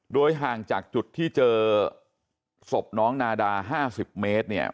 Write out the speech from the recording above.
โดยห่างจากจุดที่เจอศพน้องนาดา๕๐เมตรเนี่ย